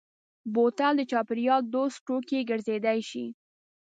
بوتل د چاپېریال دوست توکی ګرځېدای شي.